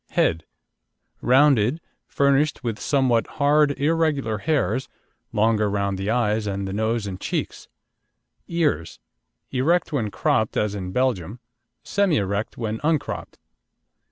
HEAD Rounded, furnished with somewhat hard, irregular hairs, longer round the eyes, on the nose and cheeks. EARS Erect when cropped as in Belgium, semi erect when uncropped.